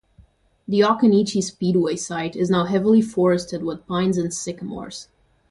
The Occoneechee Speedway site is now heavily forested with pines and sycamores.